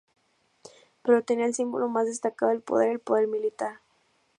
Pero tenía el símbolo más destacado de poder: el poder militar.